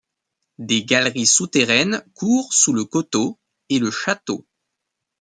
Des galeries souterraines courent sous le coteau et le château.